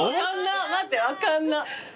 待って分かんな。